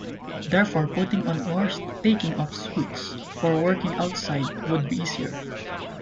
Therefore putting on or taking off suits for working outside would be easier.